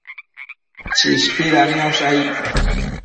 Chishpida niosh aid